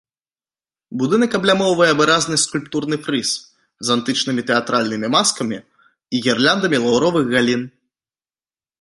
Будынак аблямоўвае выразны скульптурны фрыз з антычнымі тэатральнымі маскамі і гірляндамі лаўровых галін.